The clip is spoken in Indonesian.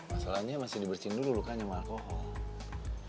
masalahnya masih diberesin dulu lukanya sama alkohol